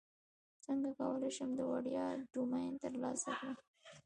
څنګه کولی شم د وړیا ډومین ترلاسه کړم